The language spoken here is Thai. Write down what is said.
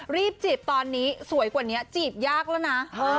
รีบจีบตอนนี้สวยกว่านี้จีบยากแล้วนะ